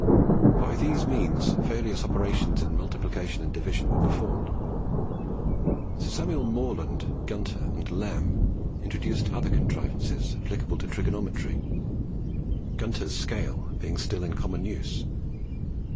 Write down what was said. By these means various operations in multiplication and division were performed. Sir Samuel Morland, Gunter, and Lamb introduced other contrivances, applicable to trigonometry; Gunter's scale being still in common use.